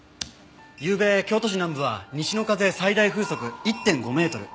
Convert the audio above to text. ゆうべ京都市南部は西の風最大風速１．５メートル。